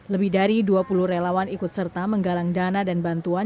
lebih dari dua puluh relawan ikut serta menggalang dana dan bantuan